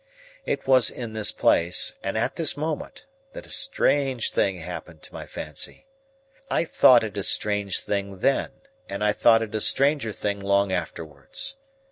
It was in this place, and at this moment, that a strange thing happened to my fancy. I thought it a strange thing then, and I thought it a stranger thing long afterwards.